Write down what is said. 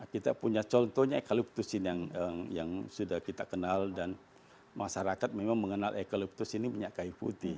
kita punya contohnya eucalyptus ini yang sudah kita kenal dan masyarakat memang mengenal eucalyptus ini minyak kayu putih